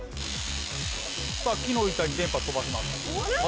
さあ木の板に電波飛ばします。